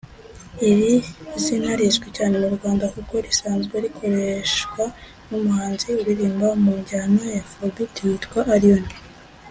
Iri zina rizwi cyane mu Rwanda kuko risanzwe rikoreshwa n’umuhanzi uririmba mu njyana ya Afrobeat witwa Allioni